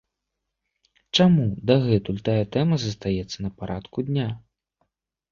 Чаму дагэтуль тая тэма застаецца на парадку дня?